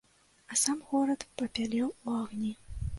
А сам горад папялеў у агні.